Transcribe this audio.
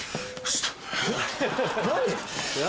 何？